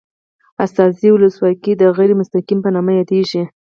استازي ولسواکي د غیر مستقیمې په نامه یادیږي.